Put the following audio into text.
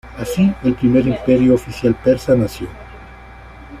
Así, el primer imperio oficial persa nació.